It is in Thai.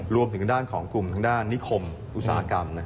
รวมถึงด้านของกลุ่มทางด้านนิคมอุตสาหกรรม